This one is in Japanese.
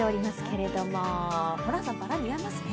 ホランさん、バラ似合いますね。